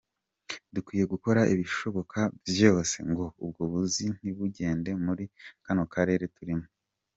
Dukwiye gukora ibishoboka vyose ngo ubwo buzi ntibugende muri kano karere turimwo.